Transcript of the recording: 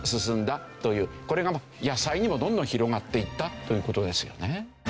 これが野菜にもどんどん広がっていったという事ですよね。